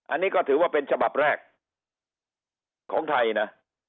อันนี้ก็ถือว่าเป็นฉบับแรกของไทยนะ